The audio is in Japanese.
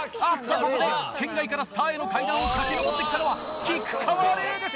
ここで圏外からスターへの階段を駆け上って来たのは菊川怜です！